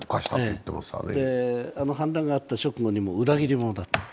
反乱があった直後にも裏切り者だと。